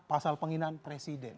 pasal penghinaan presiden